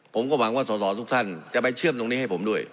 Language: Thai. ผมก็หวังว่าสอสอทุกท่านจะไปเชื่อมตรงนี้ให้ผมด้วย